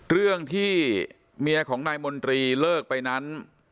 เรื่องที่เมียของนายมนตรีเลิกไปนั้น